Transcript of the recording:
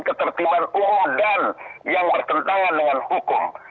ketertiban umum dan yang bertentangan dengan hukum